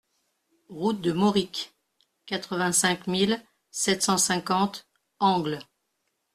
Route de Moricq, quatre-vingt-cinq mille sept cent cinquante Angles